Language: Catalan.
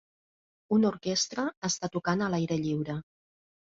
Una orquestra està tocant a l'aire lliure.